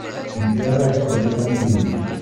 En tierra, es completamente inútil".